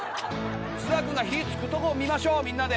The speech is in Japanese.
菅田君が火付くとこ見ましょうみんなで。